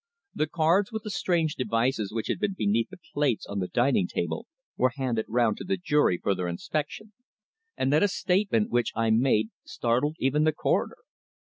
The cards with the strange devices which had been beneath the plates on the dining table were handed round to the jury for their inspection, and then a statement which I made startled even the Coroner.